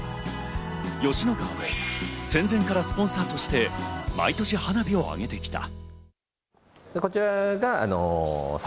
吉乃川も戦前からスポンサーとして毎年花火を上げてきた。